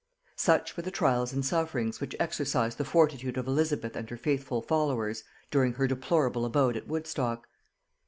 Such were the trials and sufferings which exercised the fortitude of Elizabeth and her faithful followers during her deplorable abode at Woodstock.